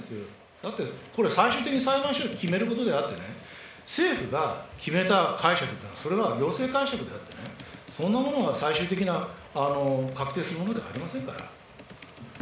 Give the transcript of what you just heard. だってこれ、最終的に裁判所が決めることであってね、政府が決めた解釈がそれが行政解釈であってね、そんなものは最終的な、確定するものではありませんから。